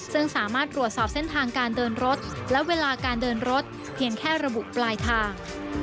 ซึ่งสามารถตรวจสอบเส้นทางการเดินรถและเวลาการเดินรถเพียงแค่ระบุปลายทาง